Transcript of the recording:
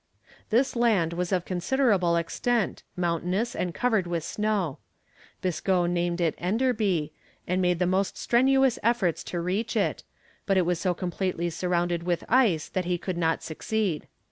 This land was of considerable extent, mountainous and covered with snow. Biscoe named it Enderby, and made the most strenuous efforts to reach it, but it was so completely surrounded with ice that he could not succeed.